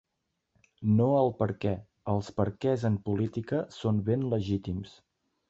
No el perquè: els perquès en política són ben legítims.